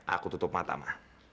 aku tutup mata ma